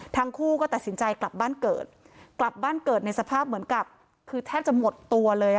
ทั้งคู่ก็ตัดสินใจกลับบ้านเกิดกลับบ้านเกิดในสภาพเหมือนกับคือแทบจะหมดตัวเลย